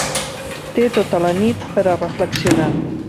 Té tota la nit per a reflexionar.